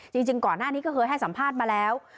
จริงก่อนหน้านี้ก็เคยให้สัมภาษณ์มาแล้ว